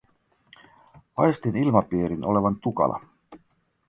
Aistin ilmapiirin olevan tukala.